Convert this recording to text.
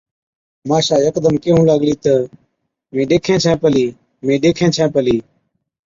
ماشا يڪدم ڪيهُون لاگلِي تہ، مين ڏيکَين ڇَين پلِي، مين ڏيکَين ڇَين پلِي۔